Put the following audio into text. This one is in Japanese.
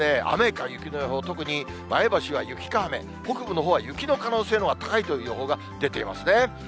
雨か雪の予報、特に前橋は雪か雨、北部のほうは雪の可能性のほうが高いという予報が出ていますね。